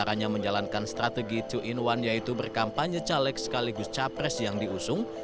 hanya menjalankan strategi two in one yaitu berkampanye caleg sekaligus capres yang diusung